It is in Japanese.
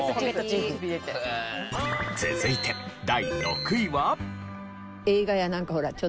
続いて第６位は。